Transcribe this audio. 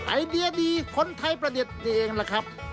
ไอเดียดีคนไทยประเด็นดีเองล่ะครับ